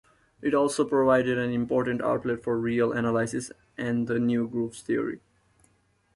It also provided an important outlet for real analysis and the new group theory.